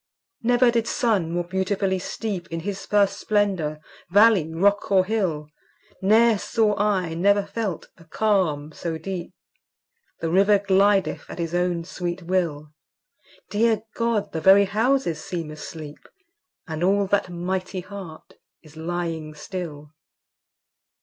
Never did sun more beautifully steep In his first splendour, valley, rock, or hill; Ne'er saw I, never felt, a calm so deep! The river glideth at his own sweet will: Dear God! the very houses seem asleep; And all that mighty heart is lying still!